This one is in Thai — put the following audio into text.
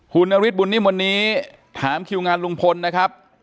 คุณนฤทธบุญนิ่มวันนี้ถามคิวงานลุงพลนะครับ